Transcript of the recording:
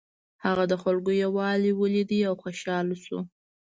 هغه د خلکو یووالی ولید او خوشحاله شو.